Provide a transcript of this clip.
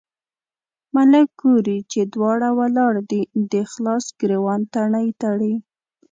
ملک ګوري چې دواړه ولاړ دي، د خلاص ګرېوان تڼۍ تړي.